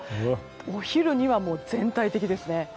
お昼には全体的ですね。